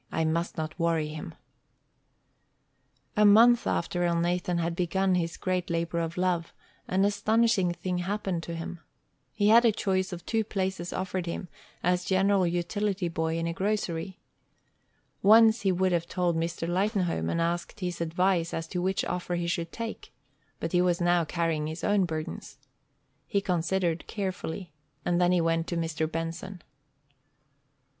I must not worry him." A month after Elnathan had begun his great labor of love, an astonishing thing happened to him. He had a choice of two places offered him as general utility boy in a grocery. Once he would have told Mr. Lightenhome, and asked his advice as to which offer he should take, but he was now carrying his own burdens. He considered carefully, and then he went to Mr. Benson.